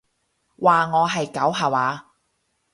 話我係狗吓話？